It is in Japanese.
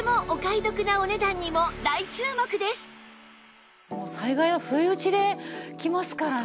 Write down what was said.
さあとっても災害は不意打ちで来ますからね。